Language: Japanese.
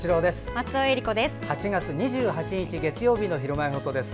松尾衣里子です。